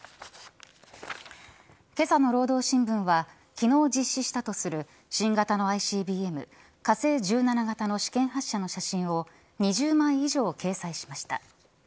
今朝の労働新聞は昨日実施したとする新型のＩＣＢＭ火星１７型の試験発射の写真を２０枚以上、掲載しました。